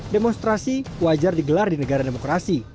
demonstrasi wajar digelar di negara demokrasi